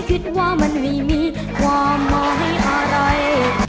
คิดว่ามันไม่มีความหมายอะไร